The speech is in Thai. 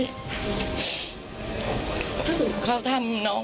ดีกว่าจะได้ตัวคนร้าย